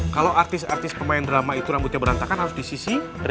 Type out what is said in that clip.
kalau artis artis pemain drama itu rambutnya berantakan harus di sisi